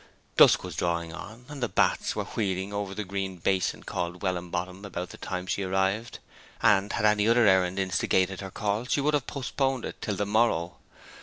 Dusk was drawing on, and the bats were wheeling over the green basin called Welland Bottom by the time she arrived; and had any other errand instigated her call she would have postponed it till the morrow.